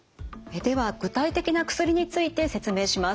では具体的な薬について説明します。